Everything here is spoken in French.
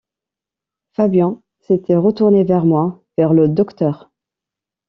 Fabian s’était retourné vers moi, vers le docteur.